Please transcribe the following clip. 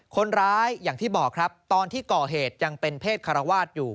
อย่างที่บอกครับตอนที่ก่อเหตุยังเป็นเพศคารวาสอยู่